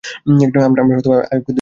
আমরা আইয়ুবকে ধৈর্যশীল পেয়েছি।